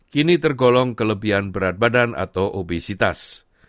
kini tergolong kelebihan berat badan atau obesitas